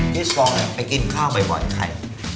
พี่ปองไปกินข้าวบ่อยใคร